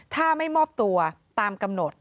ถ้าไม่มอบตัวตามกำหนด